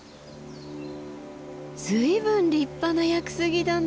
随分立派な屋久杉だな。